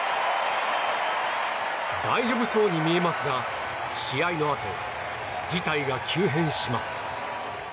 大丈夫そうに見えますが試合のあと事態が急変します。